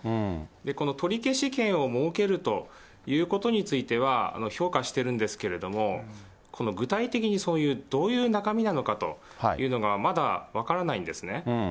この取り消し権を設けるということについては、評価しているんですけれども、具体的にどういう中身なのかというのがまだ分からないんですね。